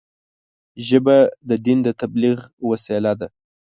ژبه د دین د تبلیغ وسیله ده